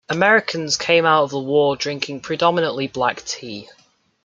Americans came out of the war drinking predominantly black tea.